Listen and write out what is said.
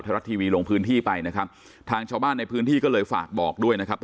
ธรรัชทีวีลงพื้นที่ไปนะครับทางช้าบ้านในพื้นที่ก็เลยฝากบอก